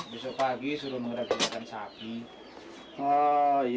besok pagi suruh mengurangkan kandang sapi